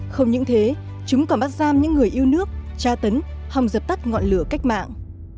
không những thế chúng còn bắt giam những người yêu nước tra tấn hòng dập tắt ngọn lửa cách mạng